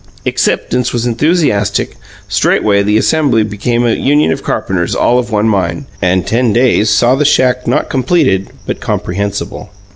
Acceptance was enthusiastic; straightway the assembly became a union of carpenters all of one mind, and ten days saw the shack not completed but comprehensible.